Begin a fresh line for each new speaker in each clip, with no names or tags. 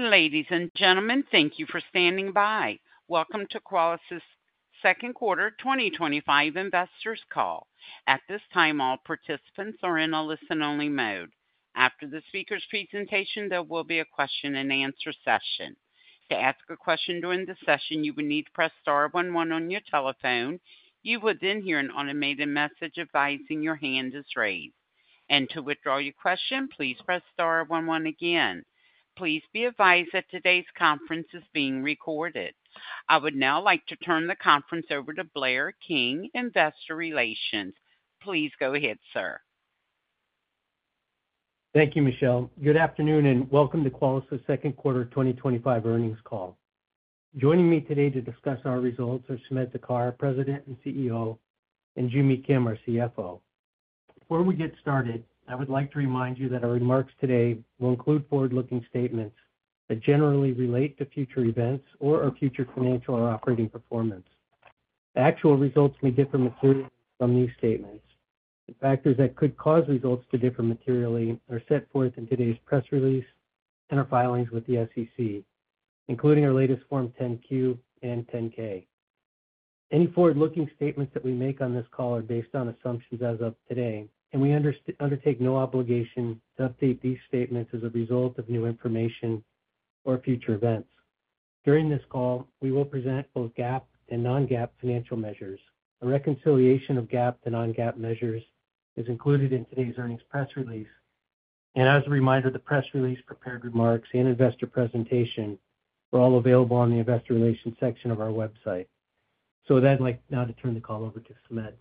Ladies and gentlemen, thank you for standing by. Welcome to Qualys's second quarter 2025 investors call. At this time, all participants are in a listen-only mode. After the speaker's presentation, there will be a question and answer session. To ask a question during the session, you will need to press star 11 on your telephone. You would then hear an automated message advising your hand is raised. To withdraw your question, please press star 11 again. Please be advised that today's conference is being recorded. I would now like to turn the conference over to Blair King, Head of Investor Relations. Please go ahead, sir.
Thank you, Michelle. Good afternoon and welcome to Qualys's Second Quarter 2025 Earnings Call. Joining me today to discuss our results are Sumedh Thakar, President and CEO, and Joo Mi Kim, our CFO. Before we get started, I would like to remind you that our remarks today will include forward-looking statements that generally relate to future events or our future financial or operating performance. Actual results may differ from these statements. The factors that could cause results to differ materially are set forth in today's press release and our filings with the SEC, including our latest Form 10-Q and 10-K. Any forward-looking statements that we make on this call are based on assumptions as of today, and we undertake no obligation to update these statements as a result of new information or future events. During this call, we will present both GAAP and non-GAAP financial measures. A reconciliation of GAAP and non-GAAP measures is included in today's earnings press release. The press release, prepared remarks, and investor presentation are all available on the investor relations section of our website. I would now like to turn the call over to Sumedh.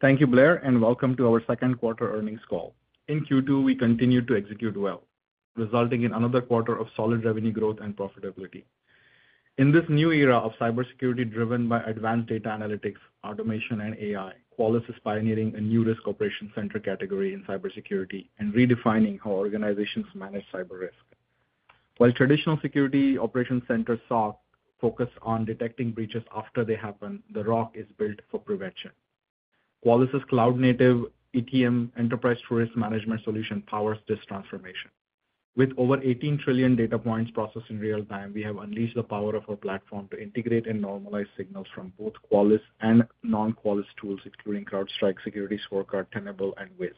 Thank you, Blair, and welcome to our second quarter earnings call. In Q2, we continued to execute well, resulting in another quarter of solid revenue growth and profitability. In this new era of cybersecurity driven by advanced data analytics, automation, and AI, Qualys is pioneering a new risk operations center category in cybersecurity and redefining how organizations manage cyber risk. While traditional security operations centers focus on detecting breaches after they happen, the ROC is built for prevention. Qualys's cloud-native Enterprise TruRisk Management solution powers this transformation. With over 18 trillion data points processed in real time, we have unleashed the power of our platform to integrate and normalize signals from both Qualys and non-Qualys tools, including CrowdStrike, SecurityScorecard, Tenable, and Wiz.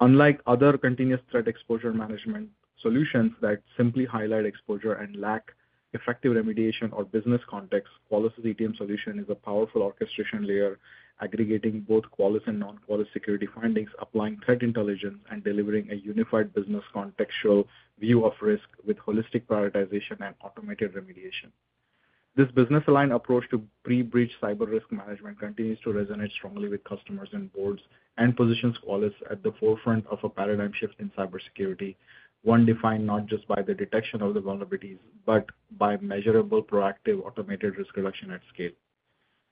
Unlike other continuous threat exposure management solutions that simply highlight exposure and lack effective remediation or business context, Qualys's Enterprise TruRisk Management solution is a powerful orchestration layer, aggregating both Qualys and non-Qualys security findings, applying threat intelligence, and delivering a unified business contextual view of risk with holistic prioritization and automated remediation. This business-aligned approach to pre-breach cyber risk management continues to resonate strongly with customers and boards and positions Qualys at the forefront of a paradigm shift in cybersecurity, one defined not just by the detection of vulnerabilities, but by measurable, proactive, automated risk reduction at scale.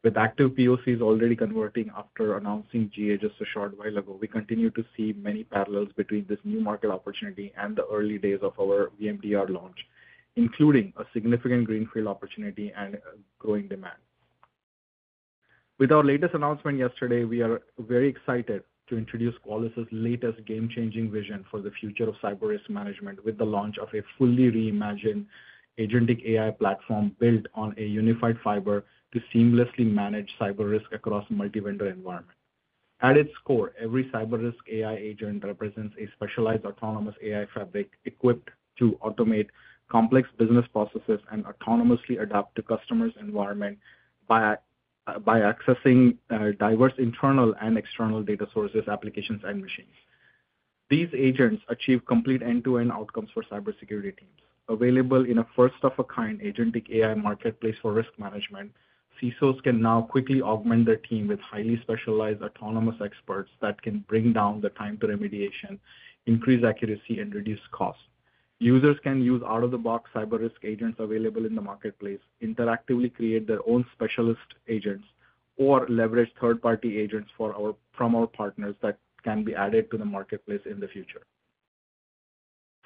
With active POCs already converting after announcing GA just a short while ago, we continue to see many parallels between this new market opportunity and the early days of our VMDR launch, including a significant greenfield opportunity and growing demand. With our latest announcement yesterday, we are very excited to introduce Qualys's latest game-changing vision for the future of cyber risk management with the launch of a fully reimagined agentic AI platform built on a unified fiber to seamlessly manage cyber risk across a multi-vendor environment. At its core, every cyber risk AI agent represents a specialized autonomous AI fabric equipped to automate complex business processes and autonomously adapt to customers' environments by accessing diverse internal and external data sources, applications, and machines. These agents achieve complete end-to-end outcomes for cybersecurity teams. Available in a first-of-a-kind agentic AI marketplace for risk management, CISOs can now quickly augment their team with highly specialized autonomous experts that can bring down the time to remediation, increase accuracy, and reduce costs. Users can use out-of-the-box cyber risk agents available in the marketplace, interactively create their own specialist agents, or leverage third-party agents from our partners that can be added to the marketplace in the future.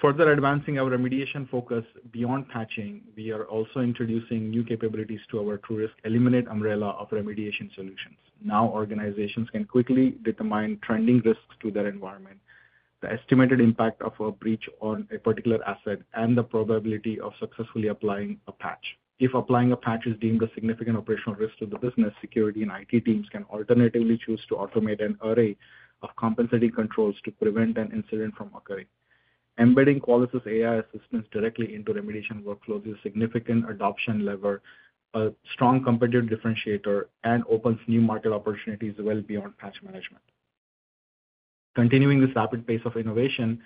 Further advancing our remediation focus beyond patching, we are also introducing new capabilities to our TruRisk Eliminate umbrella of remediation solutions. Now, organizations can quickly determine trending risks to their environment, the estimated impact of a breach on a particular asset, and the probability of successfully applying a patch. If applying a patch is deemed a significant operational risk to the business, security and IT teams can alternatively choose to automate an array of compensatory controls to prevent an incident from occurring. Embedding Qualys's AI assistance directly into remediation workflows is a significant adoption lever, a strong competitive differentiator, and opens new market opportunities well beyond patch management. Continuing this rapid pace of innovation,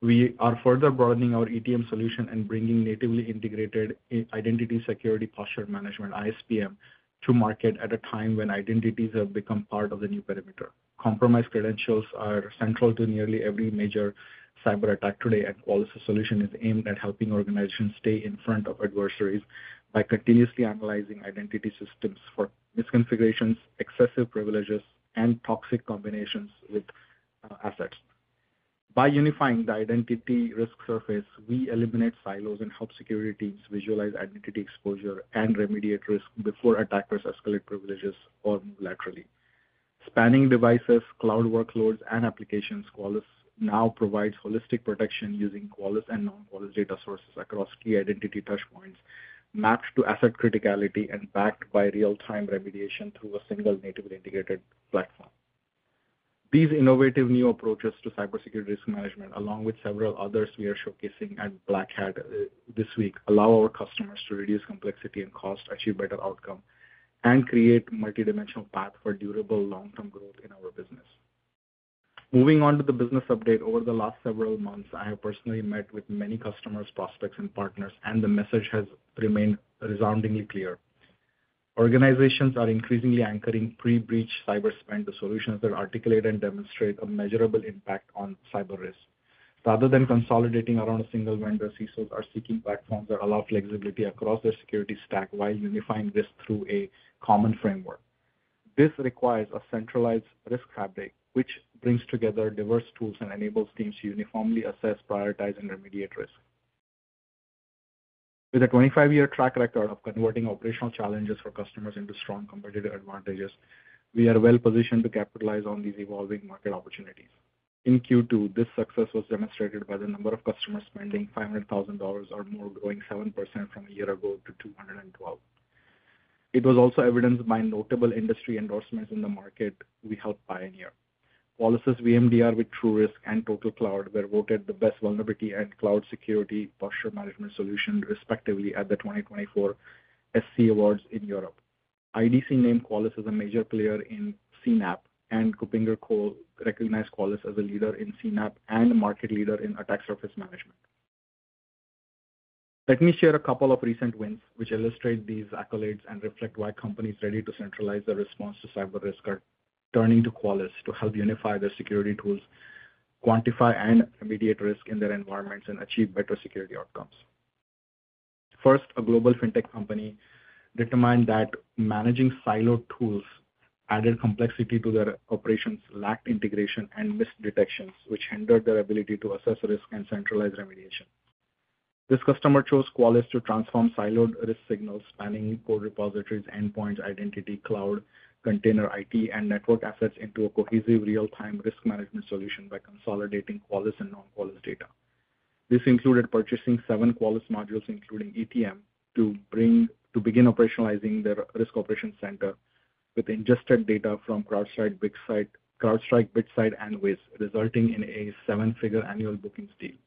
we are further broadening our Enterprise TruRisk Management solution and bringing natively integrated identity security posture management, ISPM, to market at a time when identities have become part of the new perimeter. Compromised credentials are central to nearly every major cyber attack today, and Qualys's solution is aimed at helping organizations stay in front of adversaries by continuously analyzing identity systems for misconfigurations, excessive privileges, and toxic combinations with assets. By unifying the identity risk surface, we eliminate silos and help security teams visualize identity exposure and remediate risk before attackers escalate privileges or move laterally. Spanning devices, cloud workloads, and applications, Qualys now provides holistic protection using Qualys and non-Qualys data sources across key identity touchpoints, mapped to asset criticality, and backed by real-time remediation through a single natively integrated platform. These innovative new approaches to cybersecurity risk management, along with several others we are showcasing at Black Hat this week, allow our customers to reduce complexity and cost, achieve better outcomes, and create a multi-dimensional path for durable long-term growth in our business. Moving on to the business update, over the last several months, I have personally met with many customers, prospects, and partners, and the message has remained resoundingly clear. Organizations are increasingly anchoring pre-bridge cyber spend to solutions that articulate and demonstrate a measurable impact on cyber risk. Rather than consolidating around a single vendor, CISOs are seeking platforms that allow flexibility across their security stack while unifying risk through a common framework. This requires a centralized risk fabric, which brings together diverse tools and enables teams to uniformly assess, prioritize, and remediate risk. With a 25-year track record of converting operational challenges for customers into strong competitive advantages, we are well positioned to capitalize on these evolving market opportunities. In Q2, this success was demonstrated by the number of customers spending $500,000 or more, growing 7% from a year ago to 212. It was also evidenced by notable industry endorsements in the market we helped pioneer. Qualys's VMDR with TruRisk and TotalCloud were voted the best vulnerability and cloud security posture management solution, respectively, at the 2024 SC Awards in Europe. IDC named Qualys as a major player in CNAP, and KuppingerCole recognized Qualys as a leader in CNAP and a market leader in attack surface management. Let me share a couple of recent wins, which illustrate these accolades and reflect why companies ready to centralize their response to cyber risk are turning to Qualys to help unify their security tools, quantify and remediate risk in their environments, and achieve better security outcomes. First, a global fintech company determined that managing siloed tools added complexity to their operations, lacked integration, and missed detections, which hindered their ability to assess risk and centralize remediation. This customer chose Qualys to transform siloed risk signals, spanning repositories, endpoints, identity, cloud, container, IT, and network assets into a cohesive real-time risk management solution by consolidating Qualys and non-Qualys data. This included purchasing seven Qualys modules, including ETM, to begin operationalizing their risk operations center with ingested data from CrowdStrike, BitSight, and Wiz, resulting in a seven-figure annual bookings deal.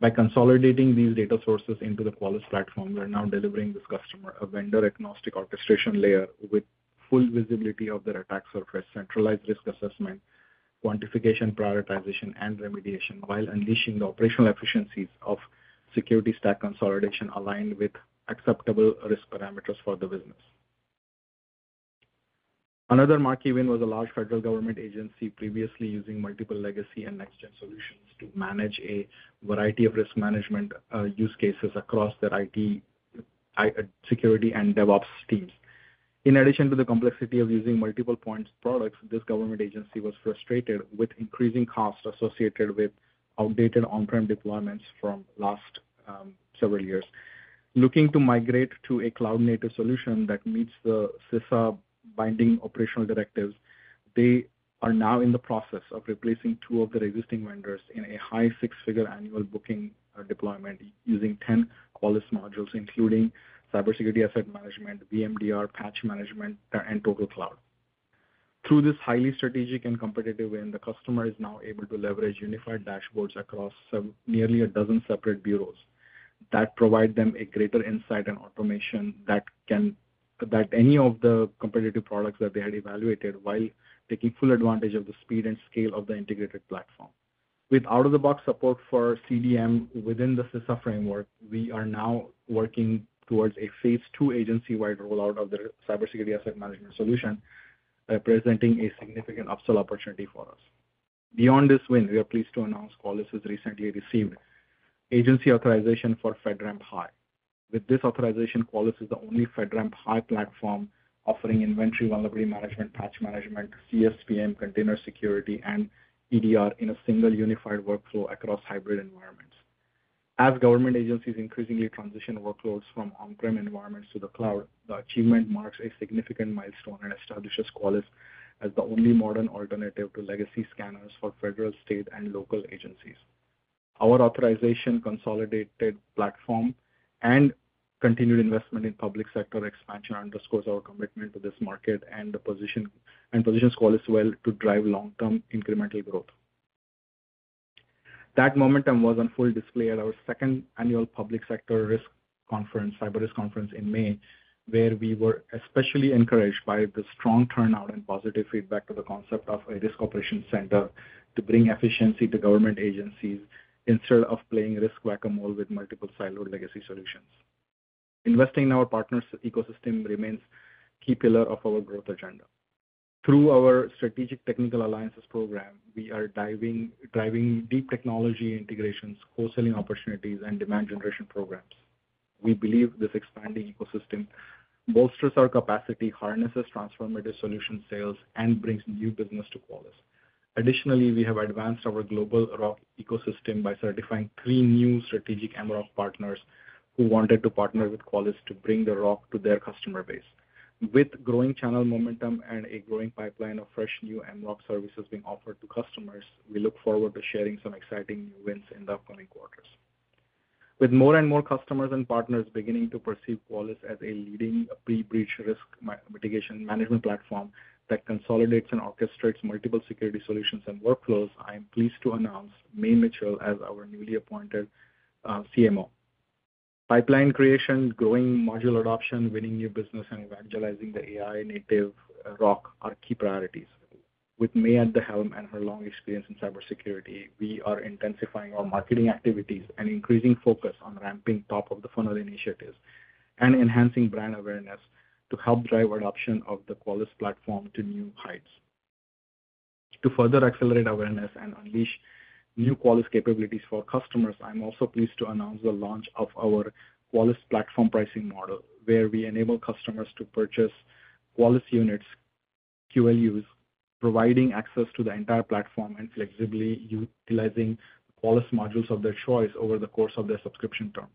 By consolidating these data sources into the Qualys platform, we are now delivering this customer a vendor-agnostic orchestration layer with full visibility of their attack surface, centralized risk assessment, quantification, prioritization, and remediation, while unleashing the operational efficiencies of security stack consolidation aligned with acceptable risk parameters for the business. Another marquee win was a large federal government agency previously using multiple legacy and next-gen solutions to manage a variety of risk management use cases across their IT security and DevOps teams. In addition to the complexity of using multiple point products, this government agency was frustrated with increasing costs associated with outdated on-prem deployments from the last several years. Looking to migrate to a cloud-native solution that meets the CISA binding operational directives, they are now in the process of replacing two of their existing vendors in a high six-figure annual booking deployment using 10 Qualys modules, including cybersecurity asset management, VMDR, patch management, and TotalCloud. Through this highly strategic and competitive win, the customer is now able to leverage unified dashboards across nearly a dozen separate bureaus that provide them greater insight and automation than any of the competitive products that they had evaluated while taking full advantage of the speed and scale of the integrated platform. With out-of-the-box support for CDM within the CISA framework, we are now working towards a phase two agency-wide rollout of their cybersecurity asset management solution, representing a significant upsell opportunity for us. Beyond this win, we are pleased to announce Qualys has recently received agency authorization for FedRAMP High. With this authorization, Qualys is the only FedRAMP High platform offering inventory vulnerability management, patch management, CSPM, container security, and EDR in a single unified workflow across hybrid environments. As government agencies increasingly transition workloads from on-prem environments to the cloud, the achievement marks a significant milestone and establishes Qualys as the only modern alternative to legacy scanners for federal, state, and local agencies. Our authorization consolidated platform and continued investment in public sector expansion underscores our commitment to this market and positions Qualys well to drive long-term incremental growth. That momentum was on full display at our second annual public sector risk conference, Cyber Risk Conference in May, where we were especially encouraged by the strong turnout and positive feedback to the concept of a risk operations center to bring efficiency to government agencies instead of playing risk whack-a-mole with multiple siloed legacy solutions. Investing in our partners' ecosystem remains a key pillar of our growth agenda. Through our strategic technical alliances program, we are driving deep technology integrations, wholesaling opportunities, and demand generation programs. We believe this expanding ecosystem bolsters our capacity, harnesses transformative solution sales, and brings new business to Qualys. Additionally, we have advanced our global ROC ecosystem by certifying three new strategic MSSP partners who wanted to partner with Qualys to bring the ROC to their customer base. With growing channel momentum and a growing pipeline of fresh new MSSP services being offered to customers, we look forward to sharing some exciting new wins in the upcoming quarters. With more and more customers and partners beginning to perceive Qualys as a leading pre-breach risk mitigation management platform that consolidates and orchestrates multiple security solutions and workflows, I am pleased to announce May Mitchell as our newly appointed CMO. Pipeline creation, growing module adoption, winning new business, and evangelizing the AI-native ROC are key priorities. With May at the helm and her long experience in cybersecurity, we are intensifying our marketing activities and increasing focus on ramping top-of-the-funnel initiatives and enhancing brand awareness to help drive adoption of the Qualys platform to new heights. To further accelerate awareness and unleash new Qualys capabilities for customers, I'm also pleased to announce the launch of our Qualys platform pricing model, where we enable customers to purchase Qualys License Units, QLUs, providing access to the entire platform and flexibly utilizing Qualys modules of their choice over the course of their subscription term.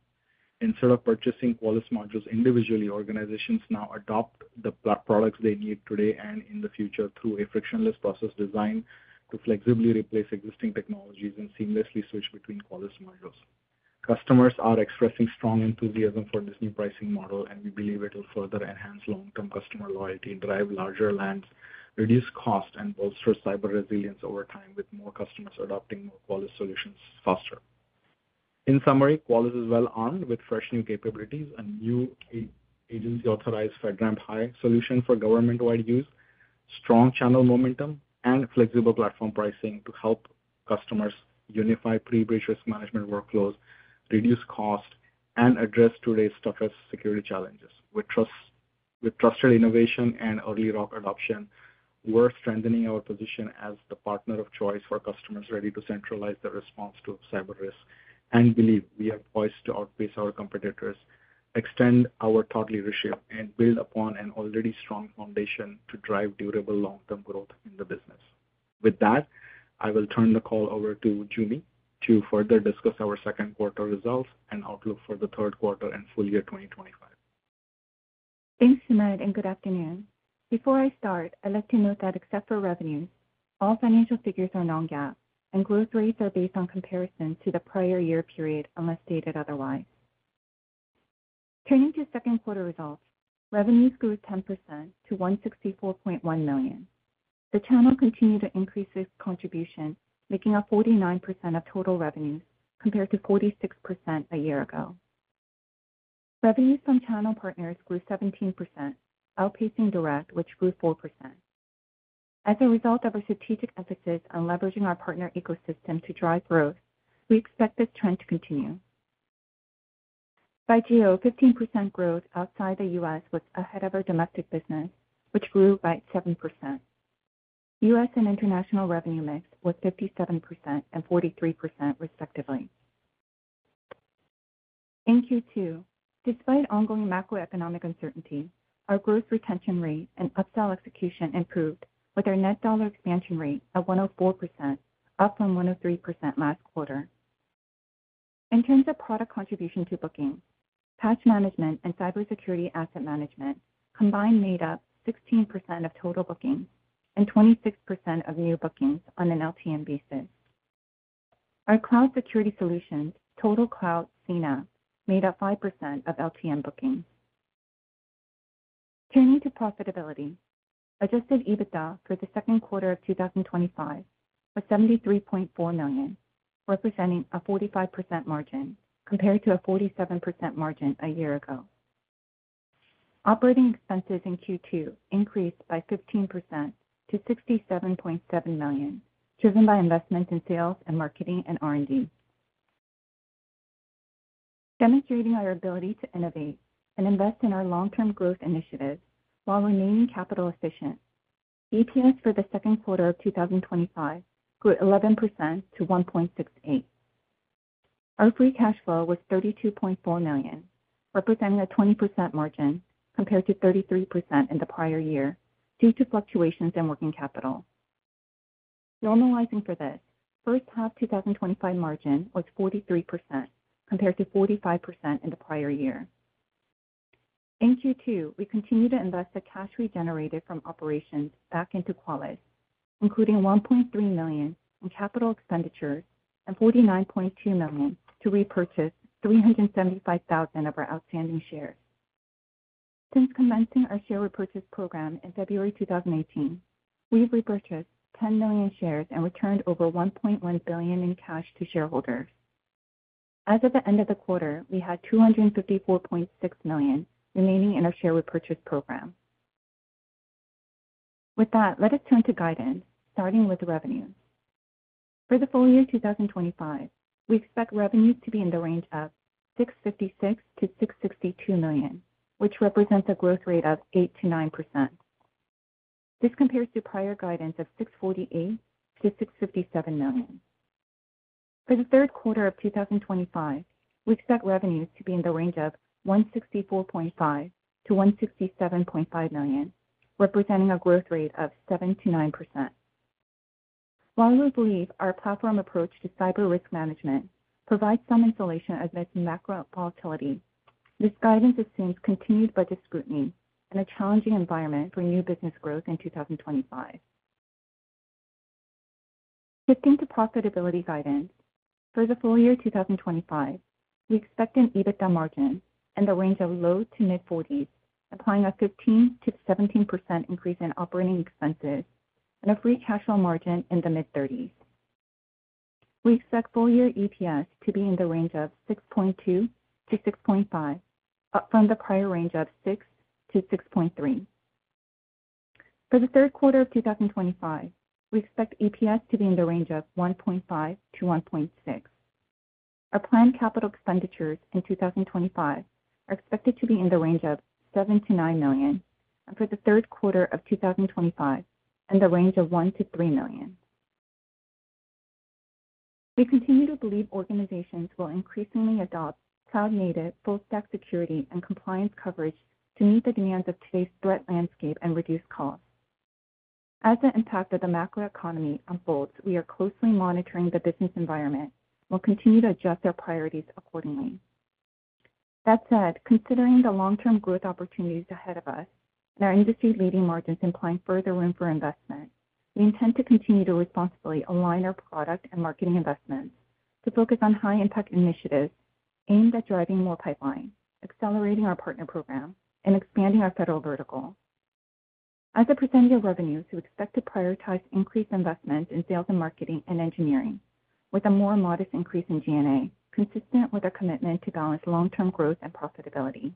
Instead of purchasing Qualys modules individually, organizations now adopt the products they need today and in the future through a frictionless process designed to flexibly replace existing technologies and seamlessly switch between Qualys modules. Customers are expressing strong enthusiasm for this new pricing model, and we believe it will further enhance long-term customer loyalty, drive larger lands, reduce costs, and bolster cyber resilience over time with more customers adopting more Qualys solutions faster. In summary, Qualys is well armed with fresh new capabilities, a new agency-authorized FedRAMP High solution for government-wide use, strong channel momentum, and flexible platform pricing to help customers unify pre-bridge risk management workflows, reduce cost, and address today's toughest security challenges. With trusted innovation and early ROC adoption, we're strengthening our position as the partner of choice for customers ready to centralize their response to cyber risk and believe we have points to outpace our competitors, extend our thought leadership, and build upon an already strong foundation to drive durable long-term growth in the business. With that, I will turn the call over to Joo Mi to further discuss our second quarter results and outlook for the third quarter and full year 2025.
Thanks, Sumedh, and good afternoon. Before I start, I'd like to note that except for revenue, all financial figures are non-GAAP and growth rates are based on comparison to the prior year period unless stated otherwise. Turning to second quarter results, revenues grew 10% to $164.1 million. The channel continued to increase its contribution, making up 49% of total revenues compared to 46% a year ago. Revenues from channel partners grew 17%, outpacing direct, which grew 4%. As a result of our strategic emphasis on leveraging our partner ecosystem to drive growth, we expect this trend to continue. By Q2, 15% growth outside the U.S. was ahead of our domestic business, which grew by 7%. U.S. and international revenue mix was 57% and 43%, respectively. In Q2, despite ongoing macroeconomic uncertainty, our gross retention rate and upsell execution improved with our net dollar expansion rate at 104%, up from 103% last quarter. In terms of product contribution to bookings, patch management and cybersecurity asset management combined made up 16% of total bookings and 26% of new bookings on an LTM basis. Our cloud security solutions, TotalCloud CNAP, made up 5% of LTM bookings. Turning to profitability, adjusted EBITDA for the second quarter of 2025 was $73.4 million, representing a 45% margin compared to a 47% margin a year ago. Operating expenses in Q2 increased by 15% to $67.7 million, driven by investments in sales and marketing and R&D. Demonstrating our ability to innovate and invest in our long-term growth initiatives while remaining capital efficient, EPS for the second quarter of 2025 grew 11% to $1.68. Our free cash flow was $32.4 million, representing a 20% margin compared to 33% in the prior year due to fluctuations in working capital. Normalizing for this, first half 2025 margin was 43% compared to 45% in the prior year. In Q2, we continue to invest the cash we generated from operations back into Qualys, including $1.3 million in capital expenditures and $49.2 million to repurchase 375,000 of our outstanding shares. Since commencing our share repurchase program in February 2018, we've repurchased 10 million shares and returned over $1.1 billion in cash to shareholders. As of the end of the quarter, we had $254.6 million remaining in our share repurchase program. With that, let us turn to guidance, starting with revenue. For the full year 2025, we expect revenues to be in the range of $656 million-$662 million, which represents a growth rate of 8%-9%. This compares to prior guidance of $648 million-$657 million. For the third quarter of 2025, we expect revenues to be in the range of $164.5 million-$167.5 million, representing a growth rate of 7%-9%. While we believe our platform approach to cyber risk management provides some insulation against macro volatility, this guidance assumes continued budget scrutiny and a challenging environment for new business growth in 2025. Shifting to profitability guidance, for the full year 2025, we expect an EBITDA margin in the range of low to mid-40%, applying a 15% to 17% increase in operating expenses and a free cash flow margin in the mid-30%. We expect full year EPS to be in the range of $6.20-$6.50, up from the prior range of $6.00-$6.30. For the third quarter of 2025, we expect EPS to be in the range of $1.50-$1.60. Our planned capital expenditures in 2025 are expected to be in the range of $7 million-$9 million, and for the third quarter of 2025, in the range of $1 million-$3 million. We continue to believe organizations will increasingly adopt cloud-native full-stack security and compliance coverage to meet the demands of today's threat landscape and reduce costs. As the impact of the macroeconomy unfolds, we are closely monitoring the business environment and will continue to adjust our priorities accordingly. That said, considering the long-term growth opportunities ahead of us and our industry-leading margins implying further room for investment, we intend to continue to responsibly align our product and marketing investments to focus on high-impact initiatives aimed at driving more pipeline, accelerating our partner program, and expanding our federal vertical. As a percentage of revenues, we expect to prioritize increased investments in sales and marketing and engineering, with a more modest increase in G&A, consistent with our commitment to balance long-term growth and profitability.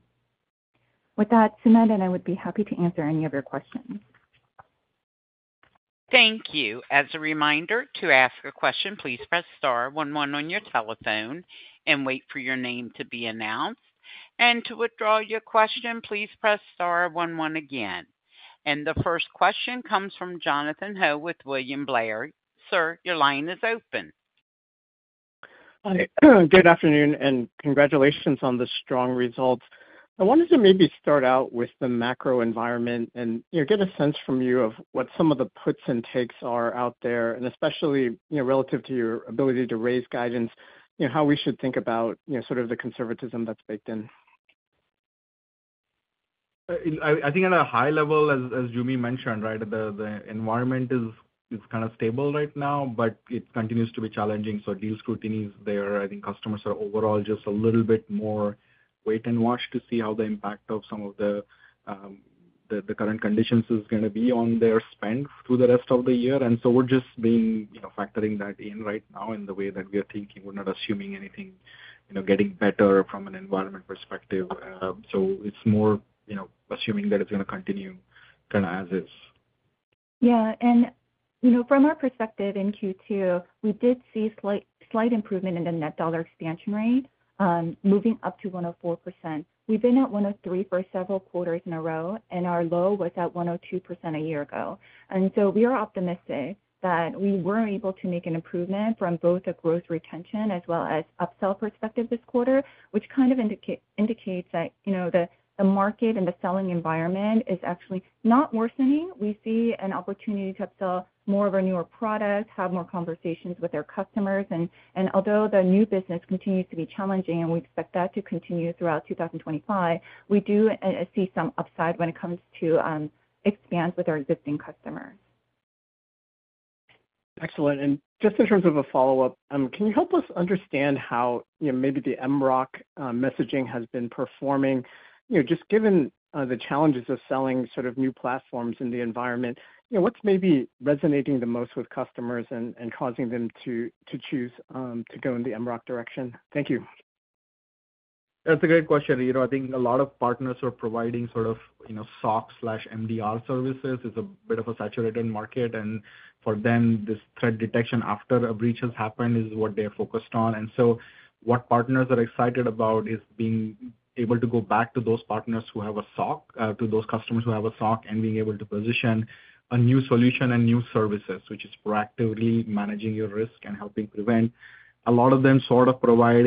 With that, Sumedh and I would be happy to answer any of your questions.
Thank you. As a reminder, to ask a question, please press star 11 on your telephone and wait for your name to be announced. To withdraw your question, please press star 11 again. The first question comes from Jonathan Frank Ho with William Blair. Sir, your line is open.
Hi. Good afternoon and congratulations on the strong results. I wanted to maybe start out with the macro environment and get a sense from you of what some of the puts and takes are out there, especially relative to your ability to raise guidance, how we should think about sort of the conservatism that's baked in.
I think at a high level, as Joo Mi mentioned, the environment is kind of stable right now, but it continues to be challenging. Deal scrutiny is there. I think customers are overall just a little bit more wait and watch to see how the impact of some of the current conditions is going to be on their spend through the rest of the year. We're just factoring that in right now in the way that we are thinking. We're not assuming anything getting better from an environment perspective. It's more assuming that it's going to continue kind of as is.
From our perspective in Q2, we did see slight improvement in the net dollar expansion rate, moving up to 104%. We've been at 103% for several quarters in a row, and our low was at 102% a year ago. We are optimistic that we were able to make an improvement from both the growth retention as well as upsell perspective this quarter, which kind of indicates that the market and the selling environment is actually not worsening. We see an opportunity to sell more of our newer products, have more conversations with our customers. Although the new business continues to be challenging, and we expect that to continue throughout 2025, we do see some upside when it comes to expand with our existing customers.
Excellent. In terms of a follow-up, can you help us understand how maybe the MROP messaging has been performing? Just given the challenges of selling sort of new platforms in the environment, what's maybe resonating the most with customers and causing them to choose to go in the MROP direction? Thank you.
That's a great question. I think a lot of partners are providing sort of SOC/MDR services. It's a bit of a saturated market. For them, this threat detection after a breach has happened is what they're focused on. What partners are excited about is being able to go back to those partners who have a SOC, to those customers who have a SOC, and being able to position a new solution and new services, which is proactively managing your risk and helping prevent. A lot of them sort of provide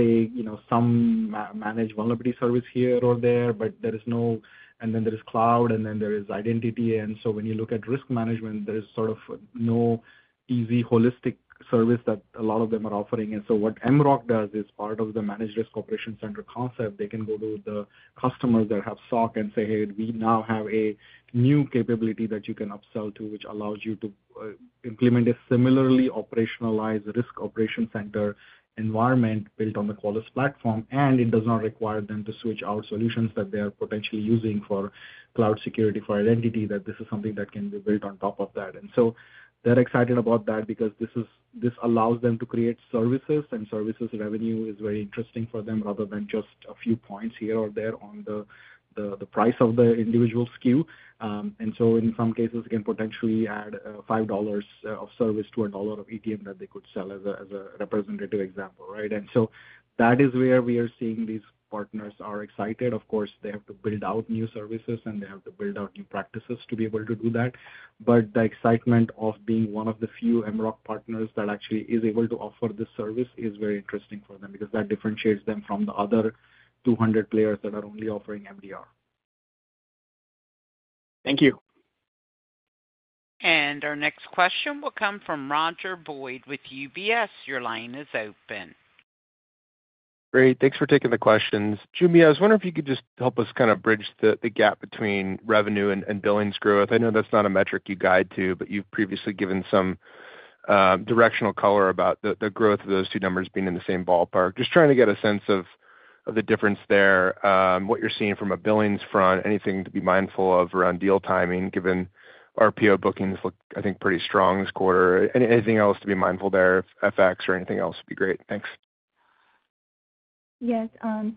some managed vulnerability service here or there, but there is no, and then there is cloud, and then there is identity. When you look at risk management, there is sort of no easy holistic service that a lot of them are offering. What MROP does is part of the managed risk operations center concept. They can go to the customers that have SOC and say, "Hey, we now have a new capability that you can upsell to, which allows you to implement a similarly operationalized risk operations center environment built on the Qualys platform." It does not require them to switch out solutions that they are potentially using for cloud security or for identity, that this is something that can be built on top of that. They're excited about that because this allows them to create services, and services revenue is very interesting for them rather than just a few points here or there on the price of the individual SKU. In some cases, you can potentially add $5 of service to $1 of ETM that they could sell as a representative example, right? That is where we are seeing these partners are excited. Of course, they have to build out new services, and they have to build out new practices to be able to do that. The excitement of being one of the few MROP partners that actually is able to offer this service is very interesting for them because that differentiates them from the other 200 players that are only offering MDR.
Thank you.
Our next question will come from Roger Foley Boyd with UBS Investment Bank. Your line is open.
Great. Thanks for taking the questions. Joo Mi, I was wondering if you could just help us kind of bridge the gap between revenue and billings growth. I know that's not a metric you guide to, but you've previously given some directional color about the growth of those two numbers being in the same ballpark. Just trying to get a sense of the difference there, what you're seeing from a billings front, anything to be mindful of around deal timing, given RPO bookings look, I think, pretty strong this quarter. Anything else to be mindful there, if FX or anything else would be great. Thanks.
Yes.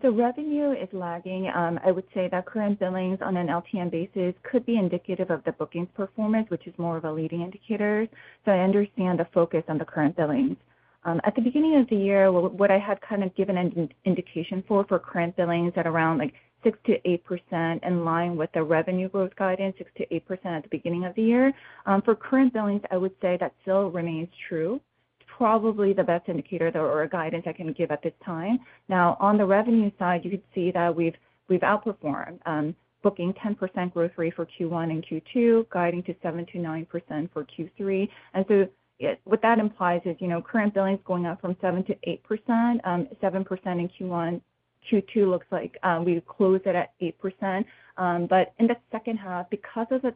Revenue is lagging. I would say that current billings on an LTM basis could be indicative of the bookings performance, which is more of a leading indicator. I understand the focus on the current billings. At the beginning of the year, what I had kind of given an indication for for current billings at around 6%-8% in line with the revenue growth guidance, 6%-8% at the beginning of the year. For current billings, I would say that still remains true. Probably the best indicator or guidance I can give at this time. Now, on the revenue side, you could see that we've outperformed booking 10% growth rate for Q1 and Q2, guiding to 7%-9% for Q3. What that implies is, you know, current billings going up from 7%-8%. 7% in Q1. Q2 looks like we close it at 8%. In the second half, because of the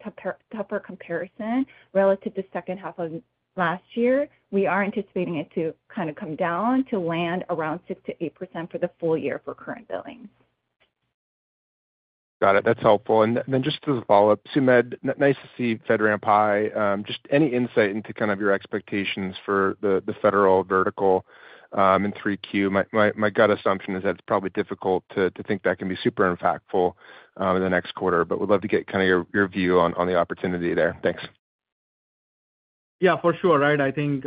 tougher comparison relative to the second half of last year, we are anticipating it to kind of come down to land around 6%-8% for the full year for current billing.
Got it. That's helpful. Just as a follow-up, Sumedh, nice to see FedRAMP High. Just any insight into kind of your expectations for the federal vertical in 3Q? My gut assumption is that it's probably difficult to think that can be super impactful in the next quarter, but would love to get kind of your view on the opportunity there. Thanks.
Yeah, for sure, right? I think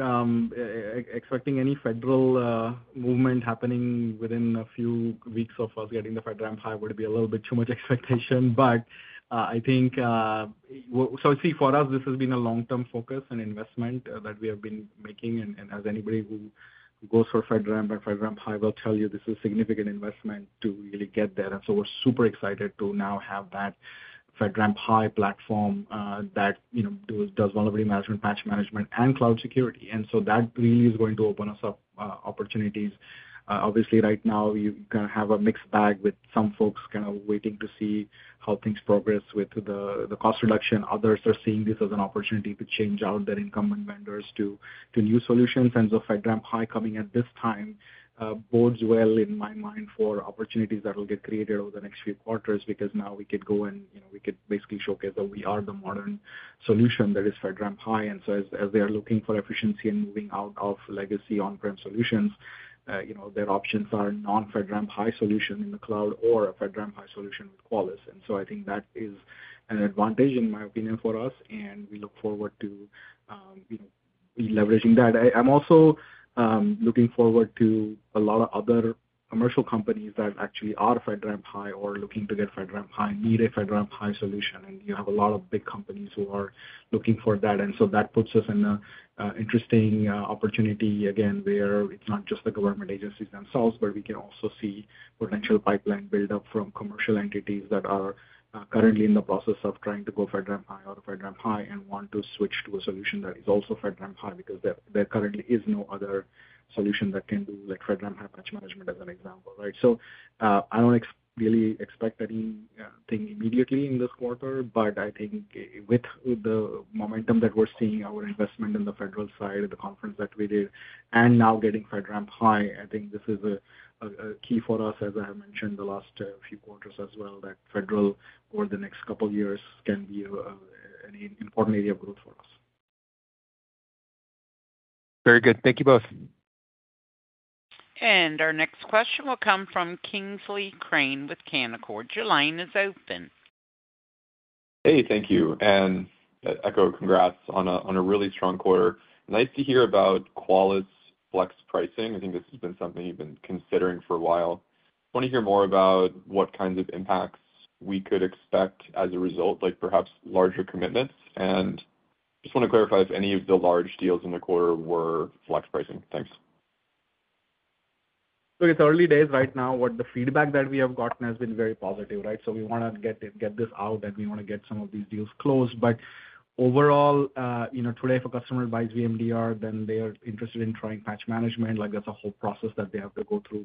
expecting any federal movement happening within a few weeks of us getting the FedRAMP High would be a little bit too much expectation. I see for us, this has been a long-term focus and investment that we have been making. As anybody who goes for FedRAMP and FedRAMP High will tell you, this is a significant investment to really get there. We're super excited to now have that FedRAMP High platform that does vulnerability management, patch management, and cloud security. That really is going to open us up opportunities. Obviously, right now, we kind of have a mixed bag with some folks kind of waiting to see how things progress with the cost reduction. Others are seeing this as an opportunity to change out their incumbent vendors to new solutions. FedRAMP High coming at this time bodes well in my mind for opportunities that will get created over the next few quarters because now we can go and we can basically showcase that we are the modern solution that is FedRAMP High. As they are looking for efficiency in moving out of legacy on-prem solutions, their options are a non-FedRAMP High solution in the cloud or a FedRAMP High solution with Qualys. I think that is an advantage, in my opinion, for us. We look forward to leveraging that. I'm also looking forward to a lot of other commercial companies that actually are FedRAMP High or looking to get FedRAMP High and need a FedRAMP High solution. You have a lot of big companies who are looking for that. That puts us in an interesting opportunity, again, where it's not just the government agencies themselves, but we can also see potential pipeline build-up from commercial entities that are currently in the process of trying to go FedRAMP High or FedRAMP High and want to switch to a solution that is also FedRAMP High because there currently is no other solution that can do FedRAMP High patch management as an example, right? I don't really expect anything immediately in this quarter, but I think with the momentum that we're seeing, our investment in the federal side, the conference that we did, and now getting FedRAMP High, I think this is a key for us, as I have mentioned the last few quarters as well, that federal over the next couple of years can be an important area of growth for us.
Very good. Thank you both.
Our next question will come from William Kingsley Crane with Canaccord Genuity. Your line is open.
Hey, thank you. Echo, congrats on a really strong quarter. Nice to hear about Qualys flex pricing. I think this has been something you've been considering for a while. I want to hear more about what kinds of impacts we could expect as a result, like perhaps larger commitments. I just want to clarify if any of the large deals in the quarter were flex pricing. Thanks.
Look, it's early days right now. The feedback that we have gotten has been very positive, right? We want to get this out and we want to get some of these deals closed. Overall, today if a customer buys VMDR, then they are interested in trying patch management. That's a whole process that they have to go through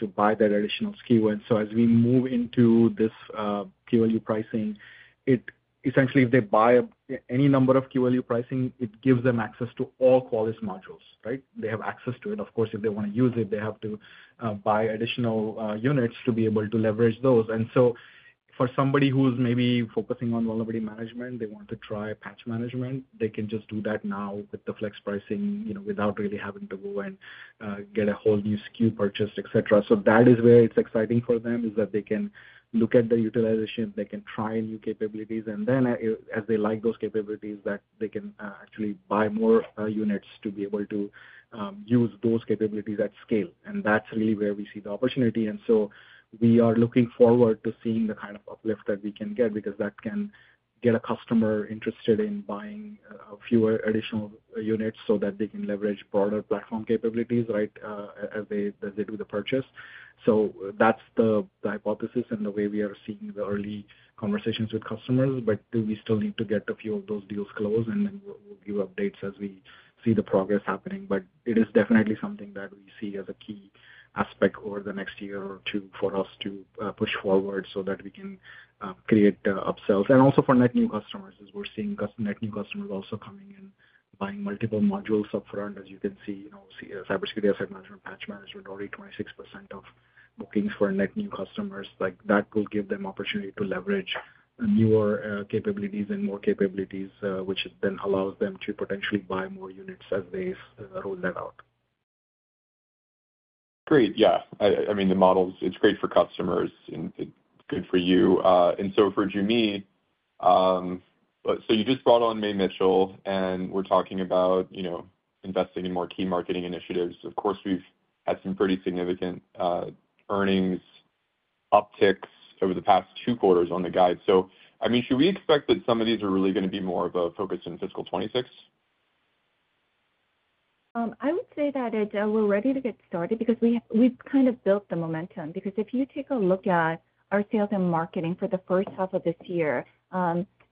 to buy that additional SKU. As we move into this QLU pricing, if they buy any number of QLUs, it gives them access to all Qualys modules, right? They have access to it. Of course, if they want to use it, they have to buy additional units to be able to leverage those. For somebody who's maybe focusing on vulnerability management, they want to try patch management, they can just do that now with the flex pricing without really having to go and get a whole new SKU purchased, etc. That is where it's exciting for them, that they can look at the utilization, they can try new capabilities, and then as they like those capabilities, they can actually buy more units to be able to use those capabilities at scale. That's really where we see the opportunity. We are looking forward to seeing the kind of uplift that we can get because that can get a customer interested in buying fewer additional units so that they can leverage broader platform capabilities as they do the purchase. That's the hypothesis and the way we are seeing the early conversations with customers. We still need to get a few of those deals closed, and then we'll give updates as we see the progress happening. It is definitely something that we see as a key aspect over the next year or two for us to push forward so that we can create upsells. Also, for net new customers, as we're seeing net new customers also coming in, buying multiple modules upfront, as you can see, cybersecurity asset management, patch management, already 26% of bookings for net new customers. That will give them opportunity to leverage newer capabilities and more capabilities, which then allows them to potentially buy more units as they roll that out.
Great. Yeah. I mean, the model is great for customers and good for you. For Joo Mi, you just brought on May Mitchell, and we're talking about, you know, investing in more key marketing initiatives. Of course, we've had some pretty significant earnings upticks over the past two quarters on the guide. I mean, should we expect that some of these are really going to be more of a focus in fiscal 2026?
I would say that we're ready to get started because we've kind of built the momentum. If you take a look at our sales and marketing for the first half of this year,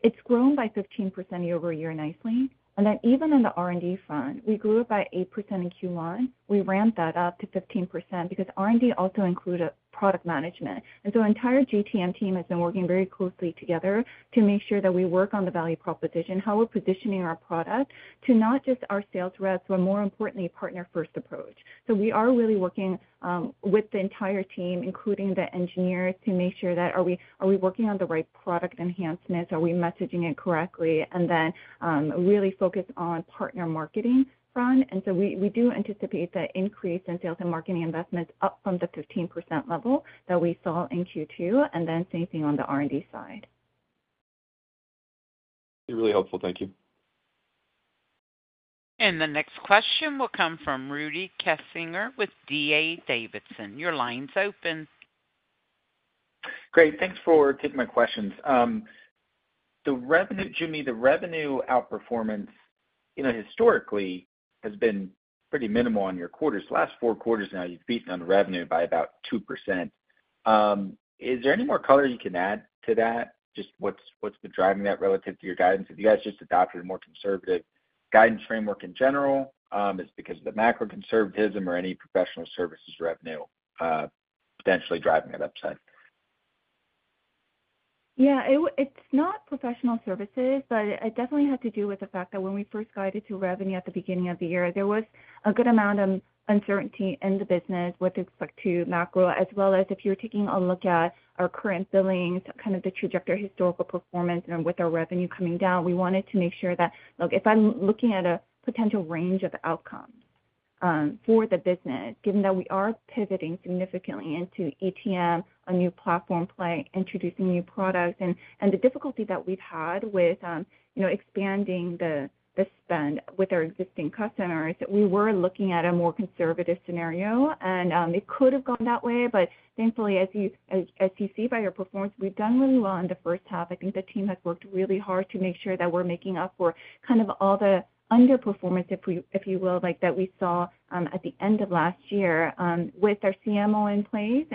it's grown by 15% year-over-year nicely. Even on the R&D front, we grew it by 8% in Q1. We ramped that up to 15% because R&D also included product management. Our entire GTM team has been working very closely together to make sure that we work on the value proposition, how we're positioning our product to not just our sales reps, but more importantly, a partner-first approach. We are really working with the entire team, including the engineers, to make sure that are we working on the right product enhancements? Are we messaging it correctly? We really focus on partner marketing front. We do anticipate that increase in sales and marketing investments up from the 15% level that we saw in Q2. Same thing on the R&D side.
It's really helpful. Thank you.
The next question will come from Rudy Grayson Kessinger with D.A. Davidson & Co. Your line's open.
Great. Thanks for taking my questions. Joo Mi, the revenue outperformance historically has been pretty minimal in your quarters. The last four quarters now, you've beaten on revenue by about 2%. Is there any more color you can add to that? Just what's been driving that relative to your guidance? Have you guys just adopted a more conservative guidance framework in general? Is it because of the macro conservatism or any professional services revenue potentially driving that upside?
Yeah, it's not professional services, but it definitely has to do with the fact that when we first guided to revenue at the beginning of the year, there was a good amount of uncertainty in the business with respect to macro, as well as if you're taking a look at our current billings, kind of the trajectory, historical performance, and with our revenue coming down, we wanted to make sure that, look, if I'm looking at a potential range of outcomes for the business, given that we are pivoting significantly into ETM, a new platform play, introducing new products, and the difficulty that we've had with expanding the spend with our existing customers, we were looking at a more conservative scenario. It could have gone that way. Thankfully, as you see by our performance, we've done really well in the first half. I think the team has worked really hard to make sure that we're making up for all the underperformance that we saw at the end of last year with our CMO in place.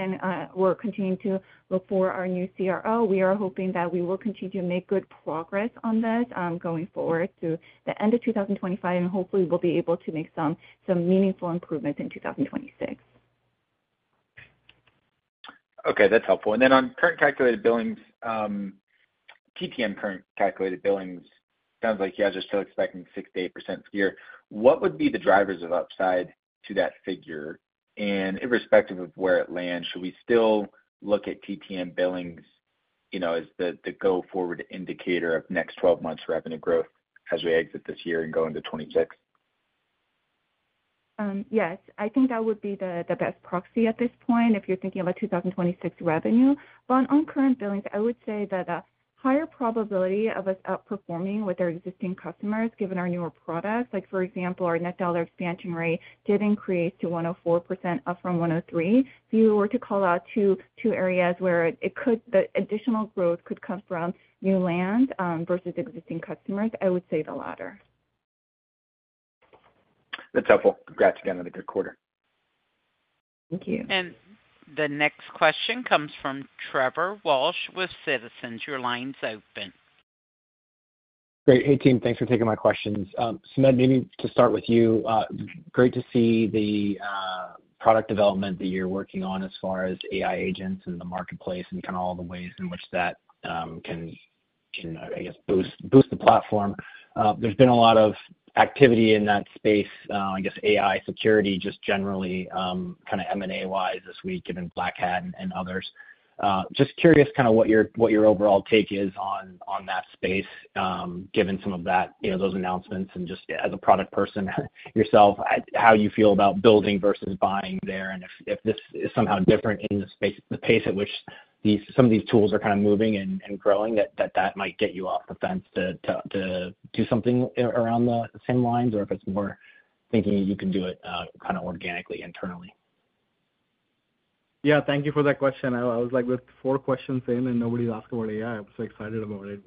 We're continuing to look for our new CRO. We are hoping that we will continue to make good progress on this going forward to the end of 2025, and hopefully, we'll be able to make some meaningful improvements in 2026.
Okay. That's helpful. On current calculated billings, TTM current calculated billings, it sounds like you guys are still expecting 6%-8% this year. What would be the drivers of upside to that figure? Irrespective of where it lands, should we still look at TTM billings as the go-forward indicator of next 12 months' revenue growth as we exit this year and go into 2026?
Yes. I think that would be the best proxy at this point if you're thinking about 2026 revenue. On current billings, I would say that a higher probability of us outperforming with our existing customers given our newer products, like for example, our net dollar expansion rate did increase to 104% up from 103%. If you were to call out two areas where the additional growth could come from new land versus existing customers, I would say the latter.
That's helpful. Congrats again on a good quarter.
Thank you.
The next question comes from Trevor James Walsh with Citizens JMP Securities. Your line's open.
Great. Hey, team, thanks for taking my questions. Sumedh, maybe to start with you, great to see the product development that you're working on as far as AI agents in the marketplace and all the ways in which that can, I guess, boost the platform. There's been a lot of activity in that space, AI security just generally, kind of M&A-wise this week, given Black Hat and others. Just curious what your overall take is on that space, given some of those announcements. As a product person yourself, how you feel about building versus buying there, and if this is somehow different in the space, the pace at which some of these tools are moving and growing, that might get you off the fence to do something along the same lines, or if it's more thinking you can do it organically internally.
Yeah, thank you for that question. I was like with four questions in and nobody's asked about AI. I'm so excited about it.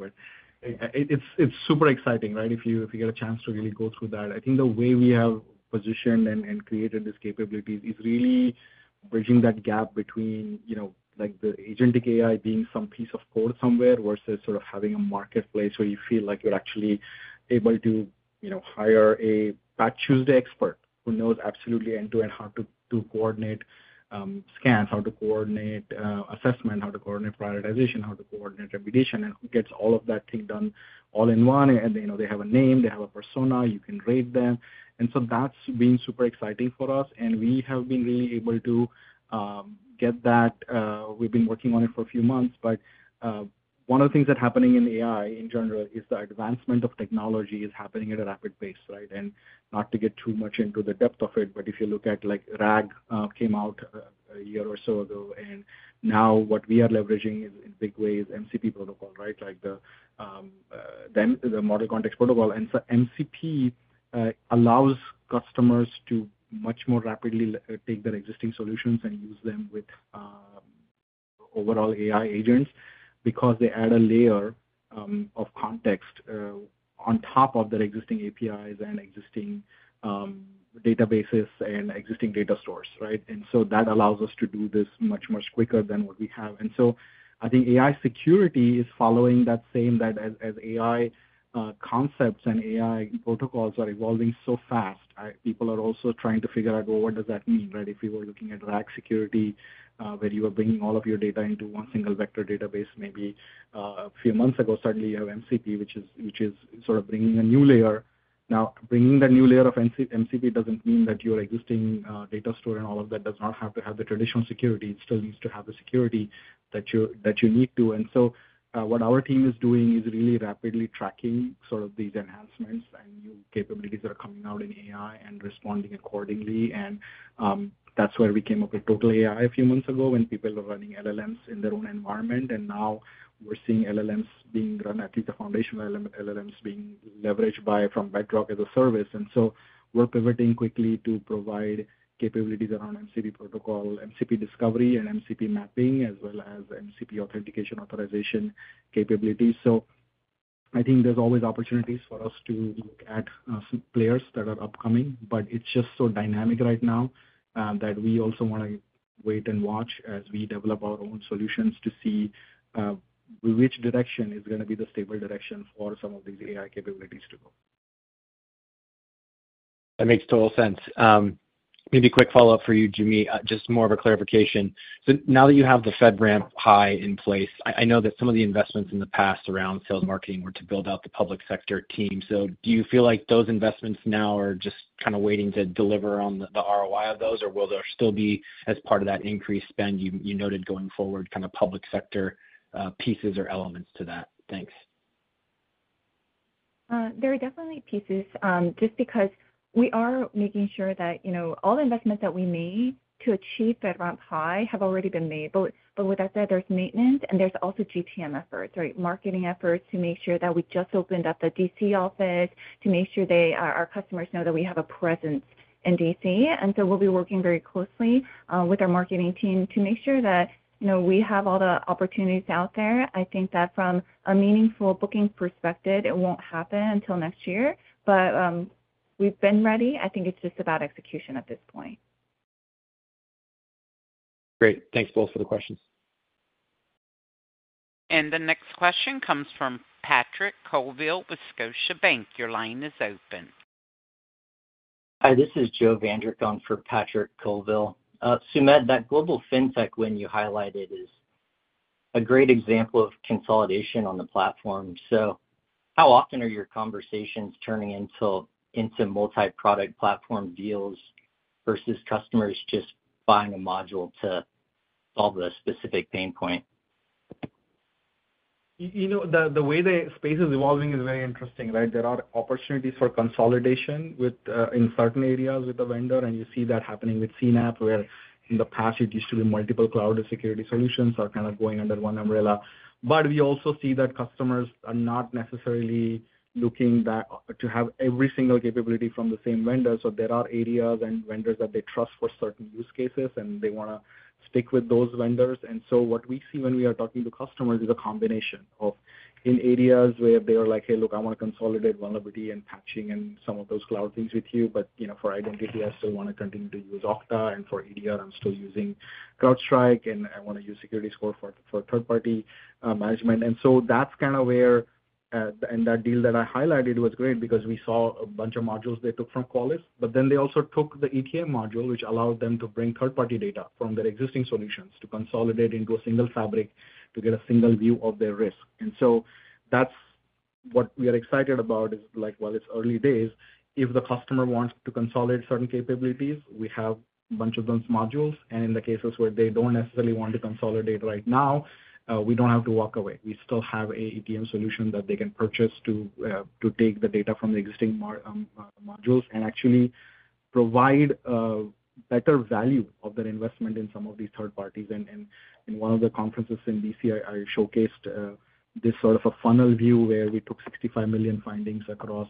It's super exciting, right? If you get a chance to really go through that, I think the way we have positioned and created this capability is really bridging that gap between, you know, like the agentic AI being some piece of code somewhere versus sort of having a marketplace where you feel like you're actually able to, you know, hire a Patch Tuesday expert who knows absolutely end-to-end how to coordinate scans, how to coordinate assessment, how to coordinate prioritization, how to coordinate reputation, and who gets all of that thing done all in one. You know, they have a name, they have a persona, you can rate them. That's been super exciting for us. We have been really able to get that. We've been working on it for a few months. One of the things that's happening in AI in general is the advancement of technology is happening at a rapid pace, right? Not to get too much into the depth of it, but if you look at like RAG came out a year or so ago, and now what we are leveraging in big ways, MCP protocol, right? Like the model context protocol. MCP allows customers to much more rapidly take their existing solutions and use them with overall AI agents because they add a layer of context on top of their existing APIs and existing databases and existing data stores, right? That allows us to do this much, much quicker than what we have. I think AI security is following that same as AI concepts and AI protocols are evolving so fast. People are also trying to figure out, well, what does that mean, right? If we were looking at RAG security, where you are bringing all of your data into one single vector database, maybe a few months ago, suddenly you have MCP, which is sort of bringing a new layer. Now, bringing the new layer of MCP doesn't mean that your existing data store and all of that does not have to have the traditional security. It still needs to have the security that you need to. What our team is doing is really rapidly tracking sort of these enhancements and new capabilities that are coming out in AI and responding accordingly. That's where we came up with Total AI a few months ago when people were running LLMs in their own environment. Now we're seeing LLMs being run, at least the foundational LLMs being leveraged by from Bedrock as a service. We're pivoting quickly to provide capabilities around MCP protocol, MCP discovery, and MCP mapping, as well as MCP authentication authorization capabilities. I think there's always opportunities for us to look at players that are upcoming, but it's just so dynamic right now that we also want to wait and watch as we develop our own solutions to see which direction is going to be the stable direction for some of these AI capabilities to go.
That makes total sense. Maybe a quick follow-up for you, Joo Mi, just more of a clarification. Now that you have the FedRAMP High in place, I know that some of the investments in the past around sales marketing were to build out the public sector team. Do you feel like those investments now are just kind of waiting to deliver on the ROI of those, or will there still be, as part of that increased spend you noted going forward, kind of public sector pieces or elements to that? Thanks.
There are definitely pieces, just because we are making sure that, you know, all the investments that we made to achieve FedRAMP High have already been made. With that said, there's maintenance and there's also GTM efforts, right? Marketing efforts to make sure that we just opened up the DC office to make sure that our customers know that we have a presence in DC. We'll be working very closely with our marketing team to make sure that, you know, we have all the opportunities out there. I think that from a meaningful booking perspective, it won't happen until next year. We've been ready. I think it's just about execution at this point.
Great. Thanks both for the questions.
The next question comes from Patrick Colville with Scotiabank Global Banking and Markets. Your line is open.
Hi, this is William Joseph Vandrick. I'm from William Kingsley Crane. Sumedh, that global fintech win you highlighted is a great example of consolidation on the platform. How often are your conversations turning into multi-product platform deals versus customers just buying a module to solve a specific pain point?
You know, the way the space is evolving is very interesting, right? There are opportunities for consolidation in certain areas with the vendor, and you see that happening with CNAP, where in the past it used to be multiple cloud security solutions are kind of going under one umbrella. We also see that customers are not necessarily looking to have every single capability from the same vendor. There are areas and vendors that they trust for certain use cases, and they want to stick with those vendors. What we see when we are talking to customers is a combination of in areas where they are like, "Hey, look, I want to consolidate vulnerability and patching and some of those cloud things with you. You know, for identity, I still want to continue to use Okta. For EDR, I'm still using CrowdStrike, and I want to use SecurityScorecard for third-party management." That's kind of where, and that deal that I highlighted was great because we saw a bunch of modules they took from Qualys, but then they also took the ETM module, which allowed them to bring third-party data from their existing solutions to consolidate into a single fabric to get a single view of their risk. That's what we are excited about is like, while it's early days, if the customer wants to consolidate certain capabilities, we have a bunch of those modules. In the cases where they don't necessarily want to consolidate right now, we don't have to walk away. We still have an ETM solution that they can purchase to take the data from the existing modules and actually provide a better value of their investment in some of these third parties. In one of the conferences in D.C., I showcased this sort of a funnel view where we took 65 million findings across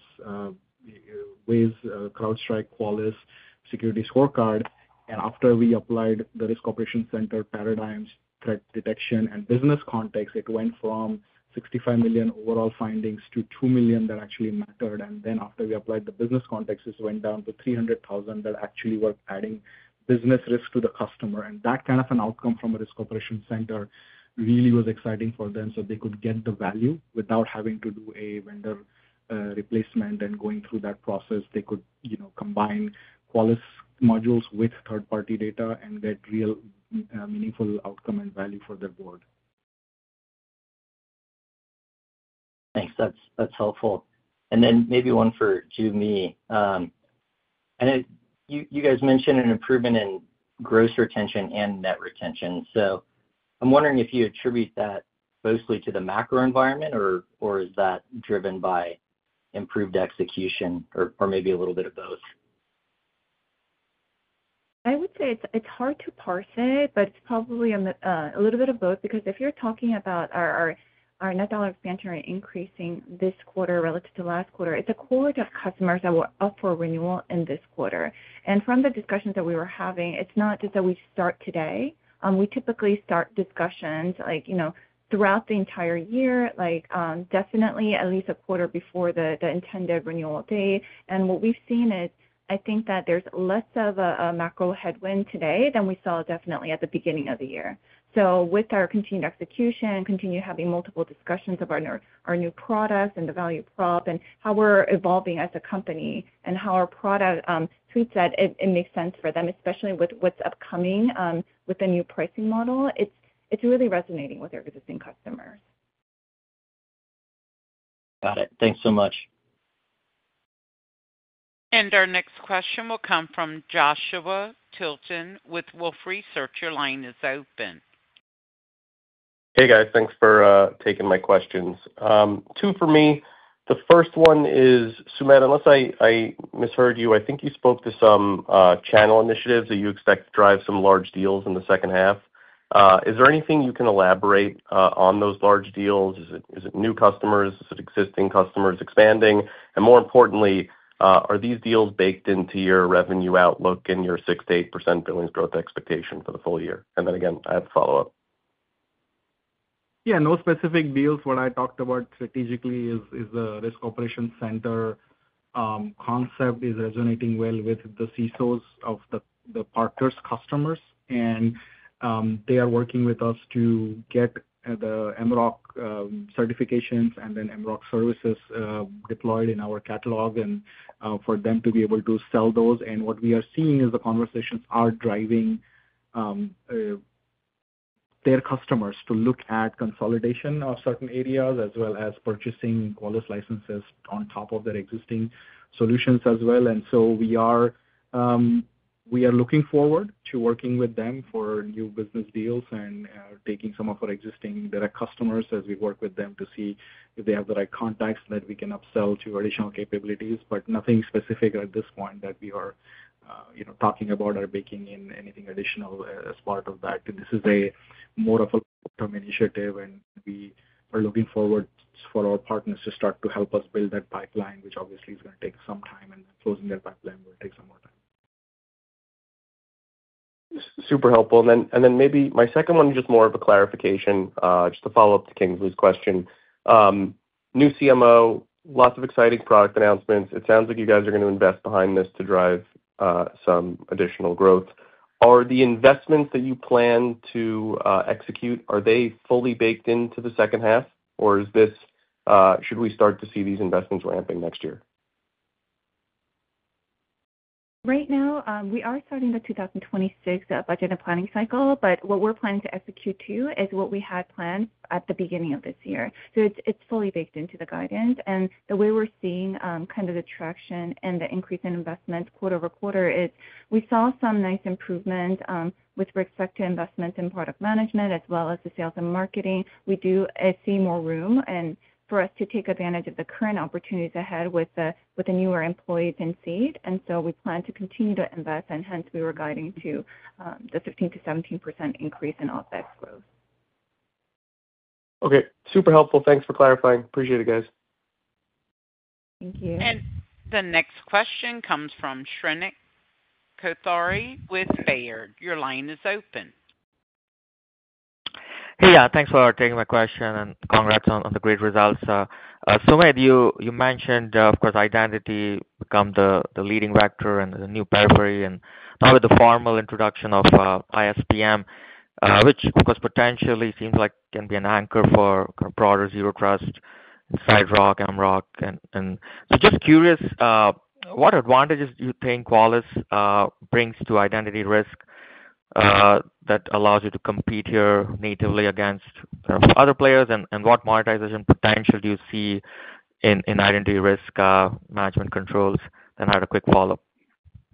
Wiz, CrowdStrike, Qualys, SecurityScorecard. After we applied the risk operations center paradigms, threat detection, and business context, it went from 65 million overall findings to 2 million that actually mattered. After we applied the business context, this went down to 300,000 that actually were adding business risks to the customer. That kind of an outcome from a risk operations center really was exciting for them so they could get the value without having to do a vendor replacement and going through that process. They could combine Qualys modules with third-party data and get real meaningful outcome and value for their board.
Thanks. That's helpful. Maybe one for Joo Mi. I know you guys mentioned an improvement in gross retention and net retention. I'm wondering if you attribute that mostly to the macro environment, or is that driven by improved execution, or maybe a little bit of both?
I would say it's hard to parse it, but it's probably a little bit of both because if you're talking about our net dollar expansion increasing this quarter relative to last quarter, it's a quarter of customers that were up for renewal in this quarter. From the discussions that we were having, it's not just that we start today. We typically start discussions throughout the entire year, definitely at least a quarter before the intended renewal date. What we've seen is I think that there's less of a macro headwind today than we saw definitely at the beginning of the year. With our continued execution, continuing to have multiple discussions of our new products and the value prop and how we're evolving as a company and how our product suits that, it makes sense for them, especially with what's upcoming with the new pricing model. It's really resonating with our existing customers.
Got it. Thanks so much.
Our next question will come from Joshua Alexander Tilton with Wolfe Research. Your line is open.
Hey guys, thanks for taking my questions. Two for me. The first one is, Sumedh, unless I misheard you, I think you spoke to some channel initiatives that you expect to drive some large deals in the second half. Is there anything you can elaborate on those large deals? Is it new customers? Is it existing customers expanding? More importantly, are these deals baked into your revenue outlook and your 6%-8% billings growth expectation for the full year? I have a follow-up.
Yeah, no specific deals. What I talked about strategically is the risk operations center concept is resonating well with the CISOs of the partners' customers. They are working with us to get the MROP certifications and then MROP services deployed in our catalog for them to be able to sell those. What we are seeing is the conversations are driving their customers to look at consolidation of certain areas as well as purchasing Qualys licenses on top of their existing solutions as well. We are looking forward to working with them for new business deals and taking some of our existing direct customers as we work with them to see if they have the right contacts that we can upsell to additional capabilities. Nothing specific at this point that we are talking about or baking in anything additional as part of that. This is more of a long-term initiative, and we are looking forward for our partners to start to help us build that pipeline, which obviously is going to take some time, and closing that pipeline will take some more time.
Super helpful. Maybe my second one is just more of a clarification, just to follow up to King's question. New CMO, lots of exciting product announcements. It sounds like you guys are going to invest behind this to drive some additional growth. Are the investments that you plan to execute, are they fully baked into the second half, or should we start to see these investments ramping next year?
Right now, we are starting the 2026 budget and planning cycle, but what we're planning to execute to is what we had planned at the beginning of this year. It is fully baked into the guidance. The way we're seeing kind of the traction and the increase in investment quarter over quarter is we saw some nice improvement with respect to investment in product management as well as the sales and marketing. We do see more room for us to take advantage of the current opportunities ahead with the newer employees in seat. We plan to continue to invest, and hence we were guiding to the 15%-7% increase in office growth.
Okay. Super helpful. Thanks for clarifying. Appreciate it, guys.
Thank you.
The next question comes from Shrenik Kothari with Robert W. Baird & Co. Your line is open.
Hey, yeah, thanks for taking my question and congrats on the great results. Sumedh, you mentioned, of course, identity becomes the leading vector and the new periphery, and now with the formal introduction of ISPM, which, of course, potentially seems like it can be an anchor for broader Zero Trust, Sideroq, MROP. I'm just curious, what advantages do you think Qualys brings to identity risk that allows you to compete here natively against other players? What monetization potential do you see in identity risk management controls? I had a quick follow-up.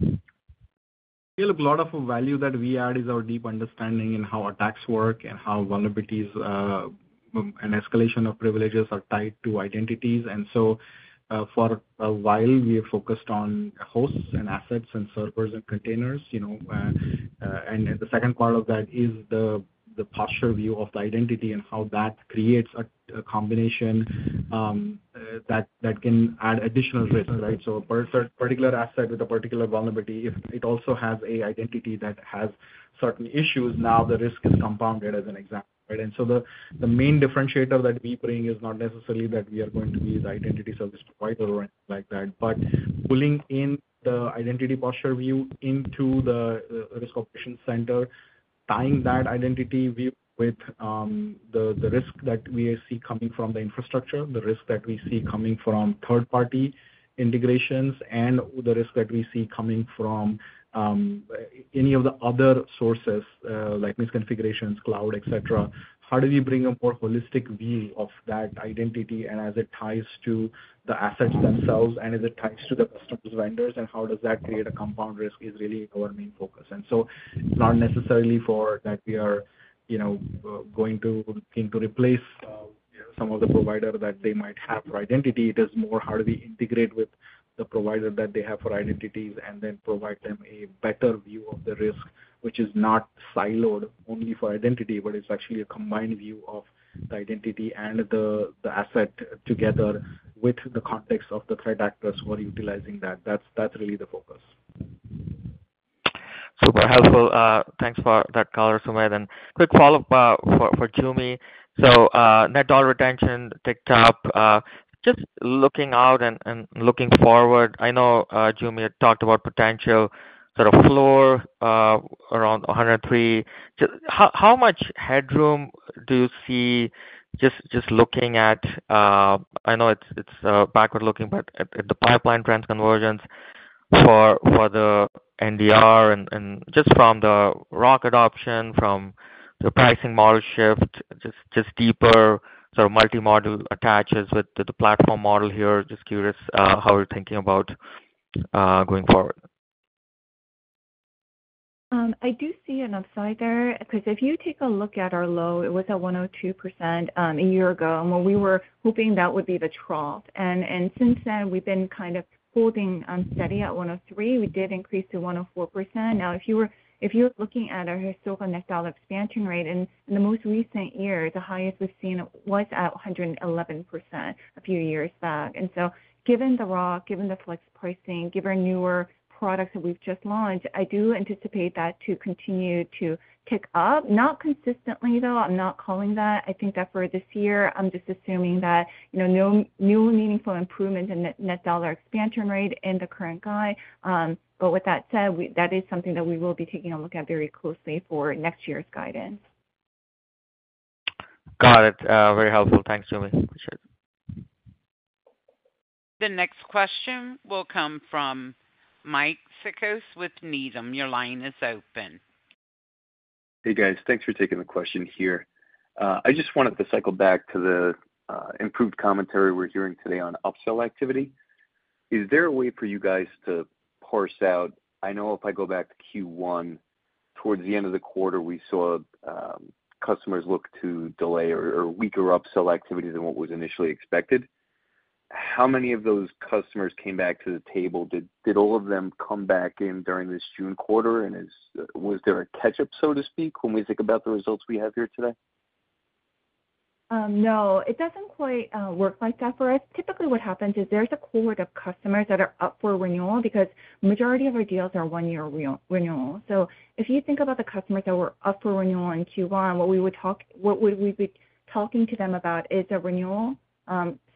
A lot of value that we add is our deep understanding in how attacks work and how vulnerabilities and escalation of privileges are tied to identities. For a while, we focused on hosts and assets and servers and containers. The second part of that is the posture view of the identity and how that creates a combination that can add additional risks, right? A particular asset with a particular vulnerability, if it also has an identity that has certain issues, now the risk is compounded as an example, right? The main differentiator that we bring is not necessarily that we are going to be an identity service provider or anything like that, but pulling in the identity posture view into the risk operations center, tying that identity view with the risk that we see coming from the infrastructure, the risk that we see coming from third-party integrations, and the risk that we see coming from any of the other sources like misconfigurations, cloud, etc. How do we bring a more holistic view of that identity as it ties to the assets themselves and as it ties to the customers' vendors and how does that create a compound risk is really our main focus. It is not necessarily that we are going to looking to replace some of the providers that they might have for identity. It is more how do we integrate with the providers that they have for identities and then provide them a better view of the risk, which is not siloed only for identity, but it's actually a combined view of the identity and the asset together with the context of the threat actors who are utilizing that. That's really the focus.
Super helpful. Thanks for that color, Sumedh. Quick follow-up for Joo Mi. Net dollar retention ticked up. Just looking out and looking forward, I know Joo Mi had talked about potential sort of floor around 103%. How much headroom do you see just looking at, I know it's backward looking, but at the pipeline transconvergence for the NDR and from the ROC adoption, from the pricing model shift, just deeper sort of multi-module attaches with the platform model here. Just curious how you're thinking about going forward.
I do see an upside there because if you take a look at our low, it was at 102% a year ago, and when we were hoping that would be the trough. Since then, we've been kind of holding steady at 103%. We did increase to 104%. If you were looking at our historical net dollar expansion rate in the most recent year, the highest we've seen was at 111% a few years back. Given the ROC, given the flex pricing, given our newer products that we've just launched, I do anticipate that to continue to tick up. Not consistently, though. I'm not calling that. I think that for this year, I'm just assuming that, you know, no new meaningful improvements in net dollar expansion rate in the current guide. With that said, that is something that we will be taking a look at very closely for next year's guidance.
Got it. Very helpful. Thanks, Joo Mi.
The next question will come from Michael Joseph Cikos with Needham & Company. Your line is open.
Hey guys, thanks for taking the question here. I just wanted to cycle back to the improved commentary we're hearing today on upsell activity. Is there a way for you guys to parse out? I know if I go back to Q1, towards the end of the quarter, we saw customers look to delay or weaker upsell activity than what was initially expected. How many of those customers came back to the table? Did all of them come back in during this June quarter? Was there a catch-up, so to speak, when we think about the results we have here today?
No, it doesn't quite work like that for us. Typically, what happens is there's a cohort of customers that are up for renewal because the majority of our deals are one-year renewal. If you think about the customers that were up for renewal in Q1, what we would be talking to them about is a renewal